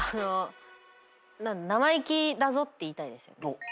生意気だぞって言いたいですよね。